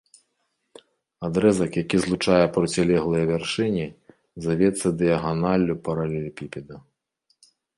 Адрэзак, які злучае процілеглыя вяршыні, завецца дыяганаллю паралелепіпеда.